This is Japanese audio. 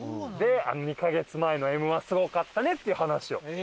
あの２カ月前のＭ−１すごかったねっていう話を。